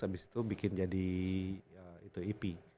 habis itu bikin jadi itu ip